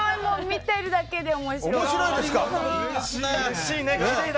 見てるだけで面白い。